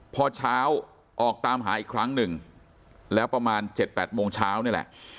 พอเช้าออกตามหาอีกครั้งหนึ่งแล้วประมาณ๗๘โมงเช้านี่แหละ